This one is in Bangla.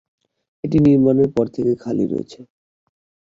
এটি নির্মাণের পর থেকে খালি রয়েছে।